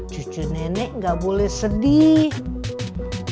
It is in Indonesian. cucu nenek nggak boleh sedih